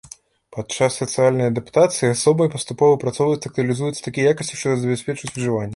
Падчас сацыяльнай адаптацыі асобай паступова выпрацоўваюцца і актуалізуюцца такія якасці, што забяспечваюць выжыванне.